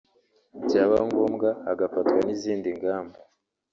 byaba ngombwa hagafatwa n’izindi ngamba